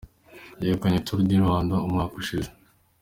yegukanye Tour du Rwanda umwaka ushize.